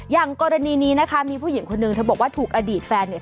อย่างกรณีนี้นะคะมีผู้หญิงคนหนึ่งเธอบอกว่าถูกอดีตแฟนเนี่ย